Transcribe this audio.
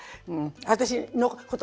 私のこと